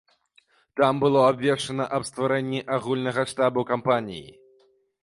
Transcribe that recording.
Там было абвешчана аб стварэнні агульнага штабу кампаніі.